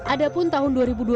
adapun tahun dua ribu dua puluh